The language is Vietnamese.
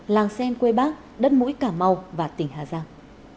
làng xen quê bắc đất mũi cả màu và tỉnh hà giang